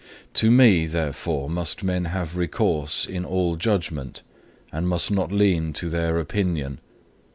To Me, therefore, must men have recourse in all judgment, and must not lean to their opinion.